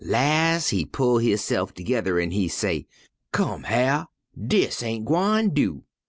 Las' he pull hisse'f toge'rr an' he say: 'Come, Hyar', dis ain't gwine do.